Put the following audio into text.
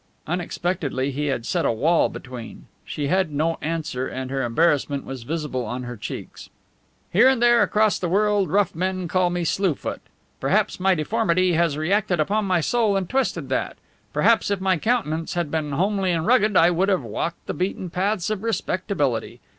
Unexpectedly he had set a wall between. She had no answer, and her embarrassment was visible on her cheeks. "Here and there across the world rough men call me Slue Foot. Perhaps my deformity has reacted upon my soul and twisted that. Perhaps if my countenance had been homely and rugged I would have walked the beaten paths of respectability.